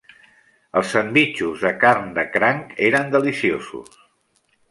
Els sandvitxos de carn de cranc eren deliciosos.